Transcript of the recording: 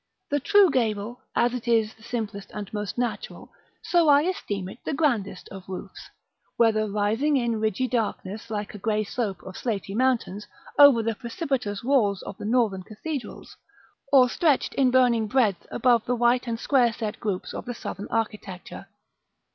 The true gable, as it is the simplest and most natural, so I esteem it the grandest of roofs; whether rising in ridgy darkness, like a grey slope of slaty mountains, over the precipitous walls of the northern cathedrals, or stretched in burning breadth above the white and square set groups of the southern architecture.